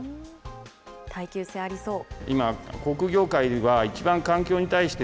耐久性ありそう。